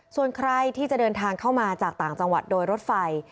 ส่วนใครที่จะเดินทางเข้ามาจากต่างจังหวัดโดยรถไฟ